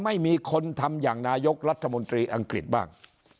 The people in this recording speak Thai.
ไม่มีคนทำอย่างนายกรัฐมนตรีอังกฤษบ้าง